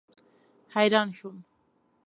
حیران شوم.